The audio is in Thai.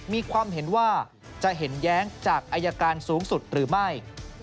มีความเห็นว่าจะเห็นแย้งจากอายการสูงสุดหรือไม่